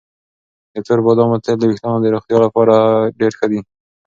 د تور بادامو تېل د ویښتانو د روغتیا لپاره ډېر ښه دي.